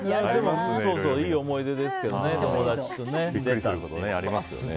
いい思い出ですけど、友達とね。